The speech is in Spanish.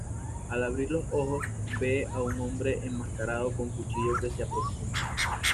Al abrir los ojos, ve a un hombre enmascarado con cuchillo que se aproxima.